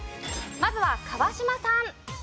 まずは川島さん。